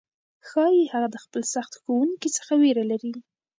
ښايي هغه د خپل سخت ښوونکي څخه ویره ولري،